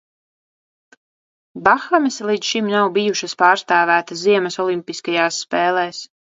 Bahamas līdz šim nav bijušas pārstāvētas ziemas olimpiskajās spēlēs.